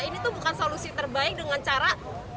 ini tuh bukan solusi terbaik dengan cara